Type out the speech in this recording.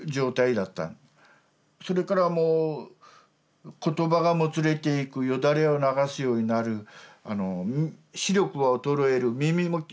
それからもう言葉がもつれていくよだれを流すようになる視力は衰える耳もだんだん聞こえなくなる。